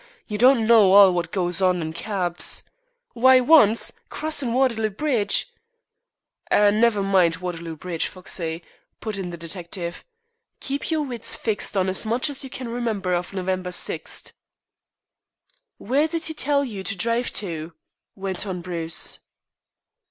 You don't know all wot goes on in kebs. Why, once crossin' Waterloo Bridge " "Never mind Waterloo Bridge, Foxey," put in the detective. "Keep your wits fixed on as much as you can remember of November 6." "Where did he tell you to drive to?" went on Bruce.